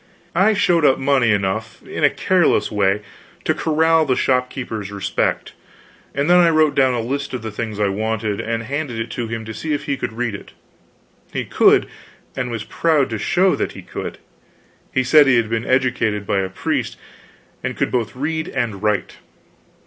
I showed up money enough, in a careless way, to corral the shopkeeper's respect, and then I wrote down a list of the things I wanted, and handed it to him to see if he could read it. He could, and was proud to show that he could. He said he had been educated by a priest, and could both read and write.